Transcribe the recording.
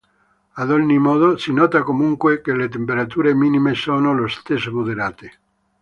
Ad ogni modo, si nota comunque che le temperature minime sono lo stesso moderate.